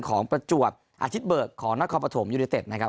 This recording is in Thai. ของประจวบอาธิตเบิร์คของนครประธมยูริเตศนะครับ